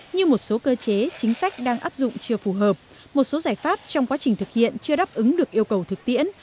như một số cơ chế chính sách đang áp dụng chưa phù hợp một số giải pháp trong quá trình thực hiện chưa đáp ứng được yêu cầu thực tiễn